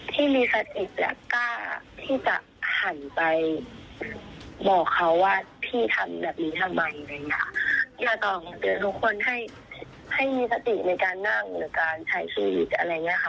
เพราะว่าพี่ทำแบบนี้ทำไมอย่าต้องเตือนทุกคนให้ให้มีสติในการนั่งหรือการใช้คียิกอะไรเงี้ยค่ะ